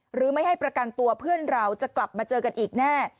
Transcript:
ไม่ให้ประกันตัวเพื่อนเราจะกลับมาเจอกันอีกแน่